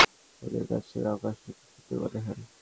ওদের কাছে আকাশটা খুব সুন্দর মনে হয়!